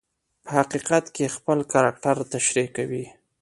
په حقیقت کې خپل کرکټر تشریح کوي.